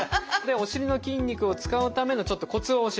お尻の筋肉を使うためのちょっとコツを教えます。